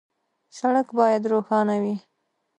سړک باید روښانه وي.